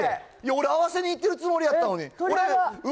俺、合わせにいってるつもりやったのに。